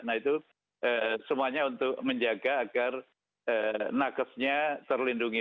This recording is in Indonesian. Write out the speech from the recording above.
nah itu semuanya untuk menjaga agar nakesnya terlindungi